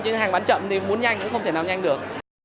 nhưng hàng bán chậm thì muốn nhanh cũng không thể nào nhanh được